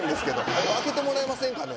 はよ開けてもらえませんかね？